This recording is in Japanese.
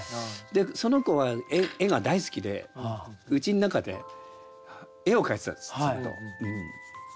その子は絵が大好きでうちの中で絵を描いてたんですずっと。